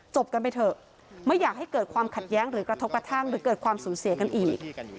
กันไปเถอะไม่อยากให้เกิดความขัดแย้งหรือกระทบกระทั่งหรือเกิดความสูญเสียกันอีก